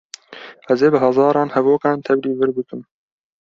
Ez ê bi hezaran hevokan tevlî vir bikim.